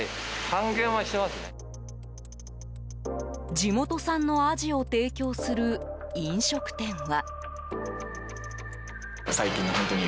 地元産のアジを提供する飲食店は。